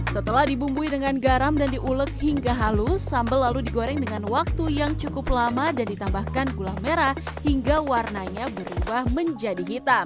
setelah dibumbui dengan garam dan diulek hingga halus sambal lalu digoreng dengan waktu yang cukup lama dan ditambahkan gula merah hingga warnanya berubah menjadi hitam